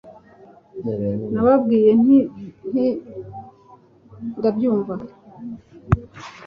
Nababwiye nti Ndabyumva